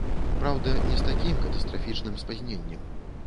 Праўда, не з такім катастрафічным спазненнем.